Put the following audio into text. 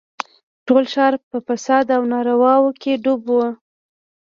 ټول ښار په فساد او نارواوو کښې ډوب و.